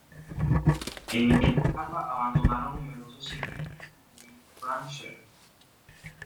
En esta etapa abandonaron numerosos ciclistas, incluido Frank Schleck.